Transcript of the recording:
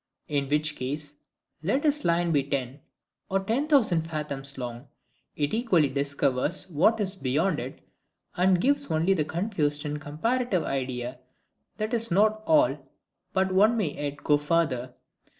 In which case, let this line be ten, or ten thousand fathoms long, it equally discovers what is beyond it, and gives only this confused and comparative idea, that this is not all, but one may yet go farther.